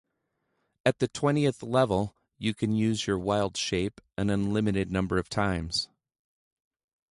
At twentieth level, you can use your Wild Shape an unlimited number of times.